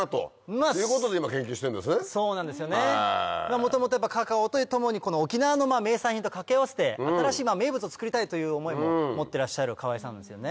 元々カカオとともに沖縄の名産品と掛け合わせて新しい名物を作りたいという思いも持ってらっしゃる川合さんですよね。